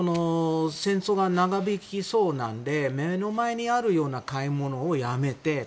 戦争が長引きそうなので目の前にあるような買い物をやめて。